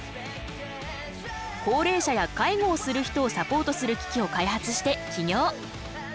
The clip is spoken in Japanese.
高齢者や介護をする人をサポートする機器を開発して起業